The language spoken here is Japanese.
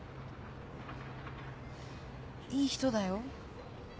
いい人だよ。